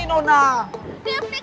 depik nona dekat